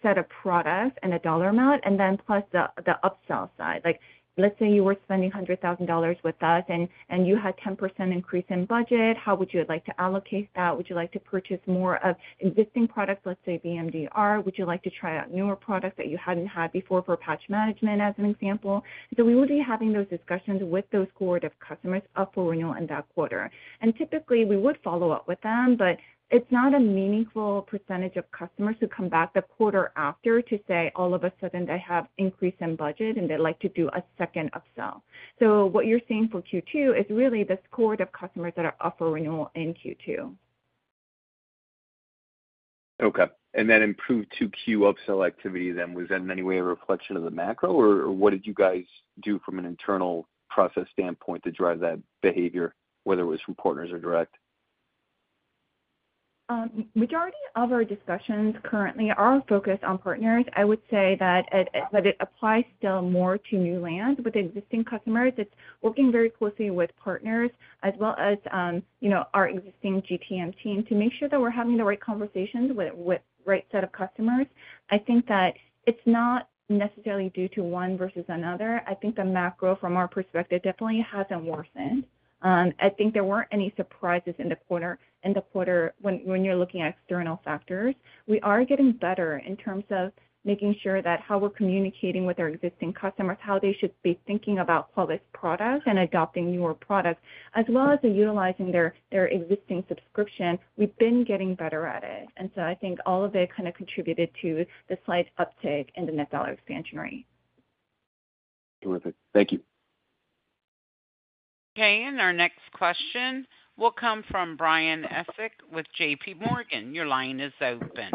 set of products and a dollar amount, and then plus the upsell side. Like let's say you were spending $100,000 with us and you had a 10% increase in budget. How would you like to allocate that? Would you like to purchase more of existing products, let's say VMDR? Would you like to try out newer products that you hadn't had before for patch management, as an example? We would be having those discussions with those cohorts of customers up for renewal in that quarter. Typically, we would follow up with them, but it's not a meaningful percentage of customers who come back the quarter after to say all of a sudden they have an increase in budget and they'd like to do a second upsell. What you're seeing for Q2 is really this cohort of customers that are up for renewal in Q2.
Okay. That improved 2Q upsell activity then, was that in any way a reflection of the macro, or what did you guys do from an internal process standpoint to drive that behavior, whether it was from partners or direct?
Majority of our discussions currently are focused on partners. I would say that it applies still more to new land with existing customers. It's working very closely with partners, as well as our existing GTM team to make sure that we're having the right conversations with the right set of customers. I think that it's not necessarily due to one versus another. I think the macro from our perspective definitely hasn't worsened. I think there weren't any surprises in the quarter when you're looking at external factors. We are getting better in terms of making sure that how we're communicating with our existing customers, how they should be thinking about Qualys products and adopting newer products, as well as utilizing their existing subscription. We've been getting better at it. I think all of it kind of contributed to the slight uptick in the net dollar expansion rate.
Terrific. Thank you.
Okay. Our next question will come from Brian Lee Essex with JPMorgan Chase & Co. Your line is open.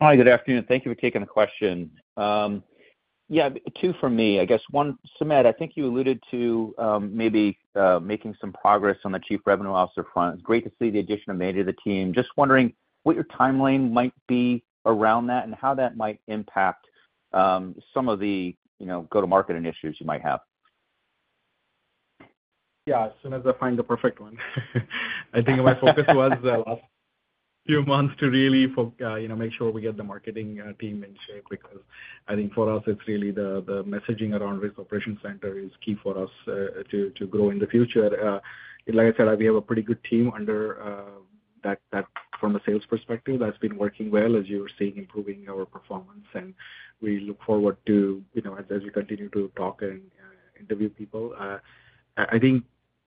Hi, good afternoon. Thank you for taking the question. Two for me. I guess one, Sumedh, I think you alluded to maybe making some progress on the Chief Revenue Officer front. It's great to see the addition of May to the team. Just wondering what your timeline might be around that and how that might impact some of the go-to-market initiatives you might have.
Yeah, as soon as I find the perfect one. I think my focus was the last few months to really make sure we get the marketing team in shape because I think for us, it's really the messaging around risk operations center is key for us to grow in the future. Like I said, we have a pretty good team under that from a sales perspective that's been working well, as you were saying, improving our performance. We look forward to, you know, as we continue to talk and interview people. I think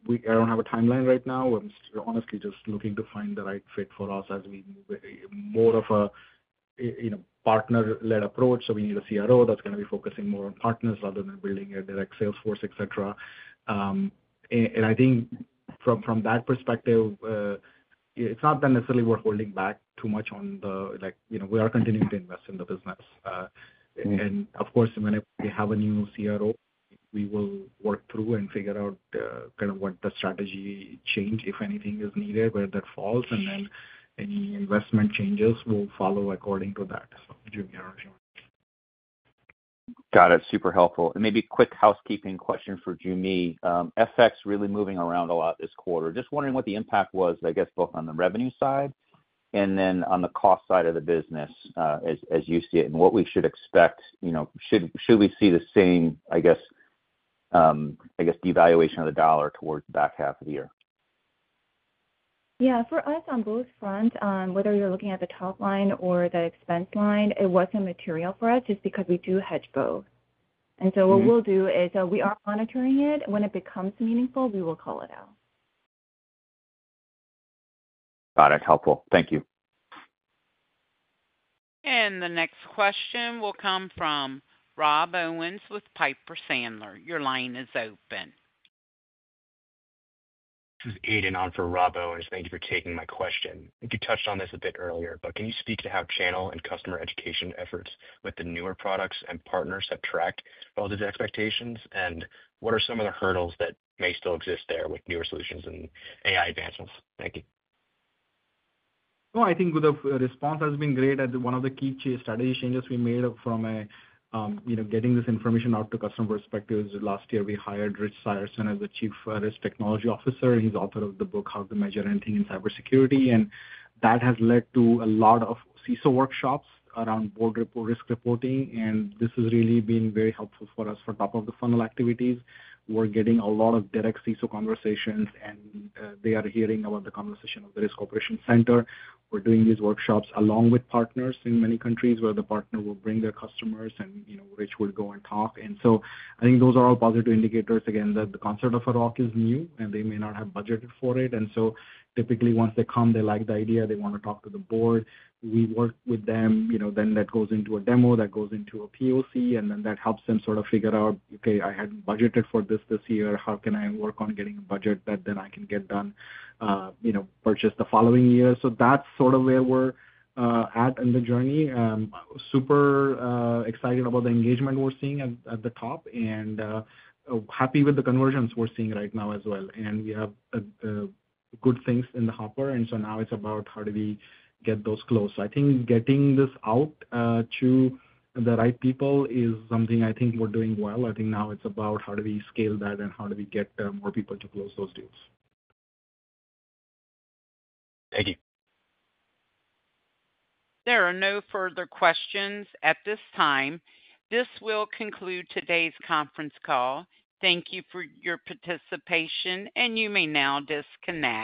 I don't have a timeline right now. I'm honestly just looking to find the right fit for us as we move more of a, you know, partner-led approach. We need a CRO that's going to be focusing more on partners rather than building a direct sales force, etc. I think from that perspective, it's not necessarily worth holding back too much on the, like, you know, we are continuing to invest in the business. Of course, whenever we have a new CRO, we will work through and figure out kind of what the strategy change, if anything is needed, where that falls. Any investment changes will follow according to that.
Got it. Super helpful. Maybe a quick housekeeping question for Joo Mi. FX really moving around a lot this quarter. Just wondering what the impact was, both on the revenue side and then on the cost side of the business as you see it and what we should expect. Should we see the same, devaluation of the dollar toward the back half of the year?
Yeah, for us on both fronts, whether you're looking at the top line or that expense line, it wasn't material for us just because we do hedge both. We are monitoring it. When it becomes meaningful, we will call it out.
Got it. Helpful. Thank you.
The next question will come from Rob Owens with Piper Sandler. Your line is open.
This is Aidan on for Rob Owens. Thank you for taking my question. I think you touched on this a bit earlier, but can you speak to how channel and customer education efforts with the newer products and partners have tracked relative to expectations? What are some of the hurdles that may still exist there with newer solutions and AI advancements? Thank you.
I think the response has been great. One of the key strategy changes we made from a, you know, getting this information out to customer perspectives last year, we hired Rich Seierson as the Chief Risk Technology Officer, and he's the author of the book, How to Measure Anything in Cybersecurity. That has led to a lot of CISO workshops around board risk reporting. This has really been very helpful for us for top-of-the-funnel activities. We're getting a lot of direct CISO conversations, and they are hearing about the conversation of the risk operations center. We're doing these workshops along with partners in many countries where the partner will bring their customers, and you know, Rich will go and talk. I think those are all positive indicators. Again, the concept of a ROC is new, and they may not have budgeted for it. Typically, once they come, they like the idea. They want to talk to the board. We work with them. You know, then that goes into a demo. That goes into a POC. That helps them sort of figure out, "Okay, I hadn't budgeted for this this year. How can I work on getting a budget that then I can get done, you know, purchase the following year?" That's sort of where we're at in the journey. I'm super excited about the engagement we're seeing at the top and happy with the conversions we're seeing right now as well. We have good things in the hopper. Now it's about how do we get those close. I think getting this out to the right people is something I think we're doing well. I think now it's about how do we scale that and how do we get more people to close those deals.
Thank you.
There are no further questions at this time. This will conclude today's conference call. Thank you for your participation, and you may now disconnect.